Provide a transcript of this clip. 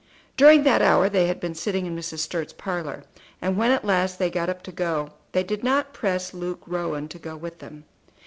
During that hour they had been sitting in Mrs. Sturt's parlour; and when at last they got up to go they did not press Luke Rowan to go with them.